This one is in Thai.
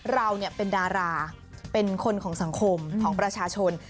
เราเป็นดาราเป็นคนของสังคมของประชาชน